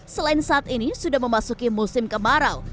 selain saat ini sudah memasuki musim kemarau